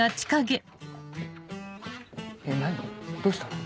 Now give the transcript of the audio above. どうしたの？